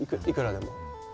いくらでも。